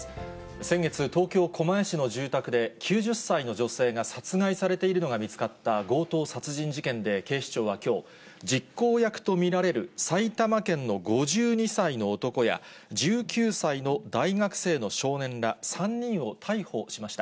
先月、東京・狛江市の住宅で、９０歳の女性がさつがつされていたのがみつかった、殺害されているのが見つかった強盗殺人事件で警視庁はきょう、実行役と見られる埼玉県の５２歳の男や、１９歳の大学生の少年ら、３人を逮捕しました。